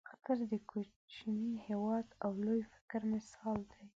قطر د کوچني هېواد او لوی فکر مثال دی.